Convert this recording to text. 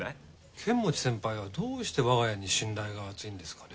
剣持先輩はどうして我が家に信頼が厚いんですかね？